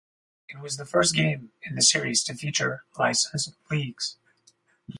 It was the first game in the series to feature licensed leagues.